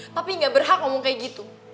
tapi gak berhak ngomong kayak gitu